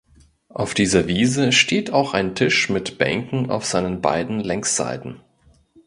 Auf dieser Wiese steht auch ein Tisch mit Bänken auf seinen beiden Längsseiten.